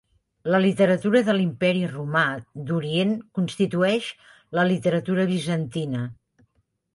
La literatura de l'Imperi romà d'Orient constitueix la literatura bizantina.